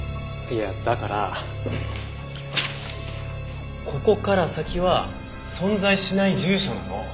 いやだからここから先は存在しない住所なの。